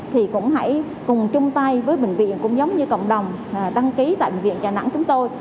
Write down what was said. thì cũng hãy cùng chung tay với bệnh viện cũng giống như cộng đồng đăng ký tại bệnh viện đà nẵng chúng tôi